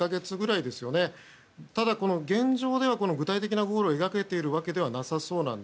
ただ、現状では具体的なゴールを描けているわけではないと。